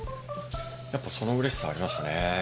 やっぱそのうれしさはありましたね。